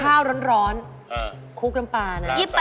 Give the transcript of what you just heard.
ข้าวร้อนคลุกน้ำปลานะ